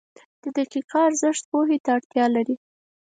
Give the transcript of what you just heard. • د دقیقه ارزښت پوهې ته اړتیا لري.